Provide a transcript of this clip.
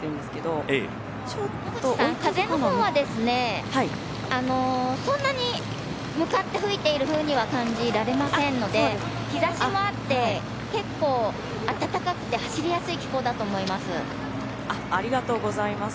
野口さん、風のほうはそんなに向かって吹いている風には感じられませんので日差しもあって結構暖かくて走りやすい気候だと思います。